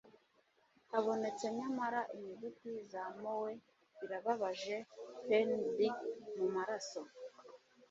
Habonetse nyamara inyuguti za moe birababaje pennd mumaraso